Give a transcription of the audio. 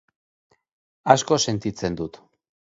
Asko sentitzen dut.